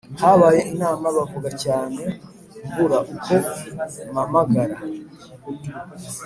Habaye inama bavuga cyane mbura uko mamagara